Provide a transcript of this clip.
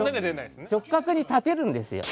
直角に立てるんですよ。